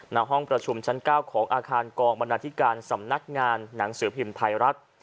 ณห้องประชุมชั้น๙ของอาคารกองบรรณาธิการสำนักงานหนังสือพิมพ์ไทยรัฐ